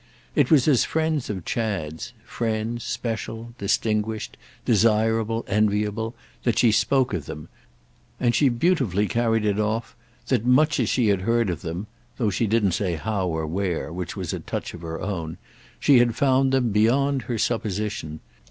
It was as friends of Chad's, friends special, distinguished, desirable, enviable, that she spoke of them, and she beautifully carried it off that much as she had heard of them—though she didn't say how or where, which was a touch of her own—she had found them beyond her supposition.